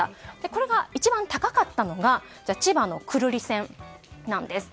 これが一番高かったのが千葉の久留里線なんです。